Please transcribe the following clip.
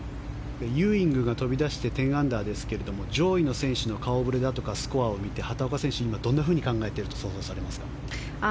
ユーイングが飛び出して１０アンダーですけれども上位の選手の顔ぶれだとかスコアを見て畑岡選手、今どんなふうに考えていると想像されますか？